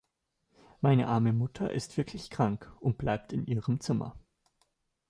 Meine arme Mutter ist wirklich krank und bleibt in ihrem Zimmer.